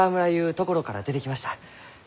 ところから出てきました。